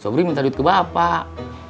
kalau perlu duit saya minta duit ke bapak